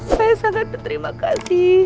saya sangat berterima kasih